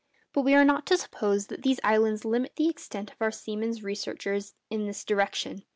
But we are not to suppose that these islands limit the extent of our seamen's researches in this direction.